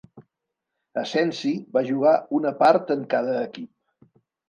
Asensi va jugar una part en cada equip.